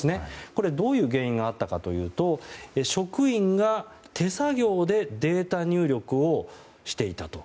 これ、どういう原因があったのかというと職員が手作業でデータ入力をしていたと。